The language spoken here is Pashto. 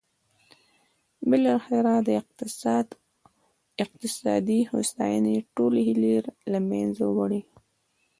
بالاخره د اقتصادي هوساینې ټولې هیلې له منځه وړي.